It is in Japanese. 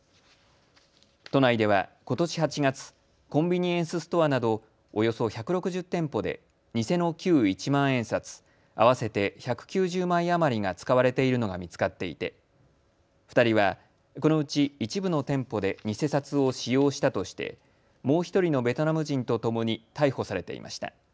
都内ではことし８月、コンビニエンスストアなどおよそ１６０店舗で偽の旧一万円札合わせて１９０枚余りが使われているのが見つかっていて２人はこのうち一部の店舗で偽札を使用したとしてもう１人のベトナム人とともに逮捕されていました。